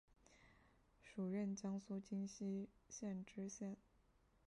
署任江苏荆溪县知县。